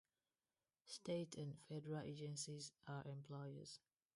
State and federal agencies are employers.